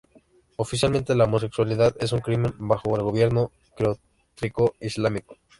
Oficialmente, la homosexualidad es un crimen bajo el gobierno teocrático islámico.